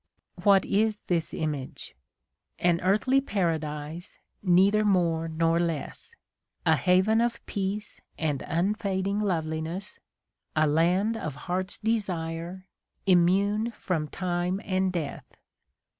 ... What is this image ? An Earthly Paradise, neither more nor less : a haven of peace and unfading loveliness, a Land ot Heart's Desire, immune from Time and Death.